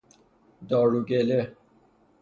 دارو گله